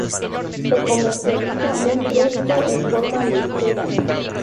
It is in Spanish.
Se comercializa muy fresco en forma de esferas.